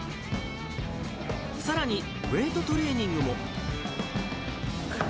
さらに、ウエートトレーニングも。